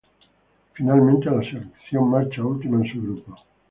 Finalmente, la selección marcha última en su grupo.